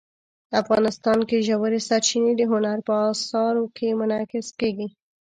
افغانستان کې ژورې سرچینې د هنر په اثار کې منعکس کېږي.